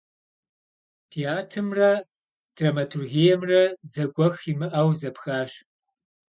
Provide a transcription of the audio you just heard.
Театрымрэ драматургиемрэ зэгуэх имыӀэу зэпхащ.